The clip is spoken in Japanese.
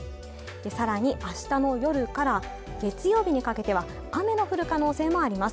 さらに明日の夜から月曜日にかけては雨の降る可能性もあります